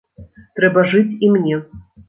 Трэба жыць і мне.